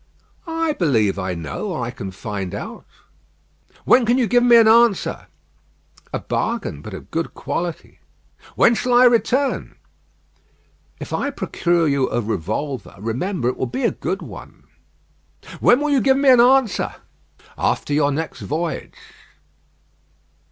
"I believe I know; or I can find out." "When can you give me an answer?" "A bargain; but of good quality." "When shall I return?" "If I procure you a revolver, remember, it will be a good one." "When will you give me an answer?" "After your next voyage."